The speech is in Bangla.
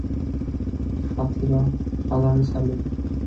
সাথীরা, সাধারণ স্যালুট!